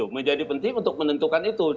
menjadi penting untuk menentukan itu